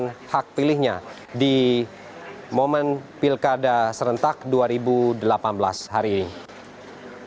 dengan hak pilihnya di momen pilkada serentak dua ribu delapan belas hari ini